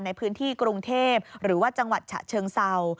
ในพื้นที่กรุงเทพหรือว่าจังหวัดฉะเชิงเศร้า